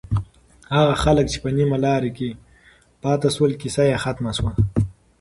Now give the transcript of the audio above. هغه خلک چې په نیمه لاره کې پاتې شول، کیسه یې ختمه شوه.